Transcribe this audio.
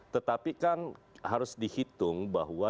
tetapi kan harus dihitung bahwa